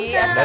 ya mandi dulu